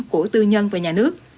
của tư nhân và nhà nước